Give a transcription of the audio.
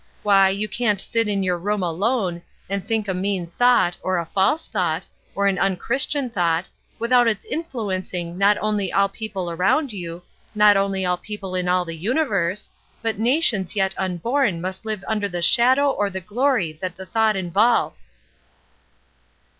Why, you can't sit in your room alone, and think a mean thought, or a false thought, or an unchristian thought, without its influencing not only all people around you, not only all people in all the universe, but nations yet unborn must live under the shadow or the glory that the thought involves."